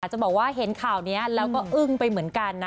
จะบอกว่าเห็นข่าวนี้แล้วก็อึ้งไปเหมือนกันนะ